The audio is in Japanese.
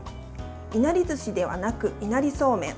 いなりずしではなくいなりそうめん。